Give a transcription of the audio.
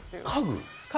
家具？